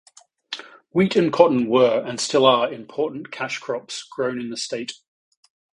Wheat and cotton were, and still are, important cash crops grown in the state.